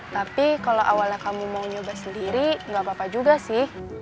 tapi kalau awalnya kamu mau nyoba sendiri nggak apa apa juga sih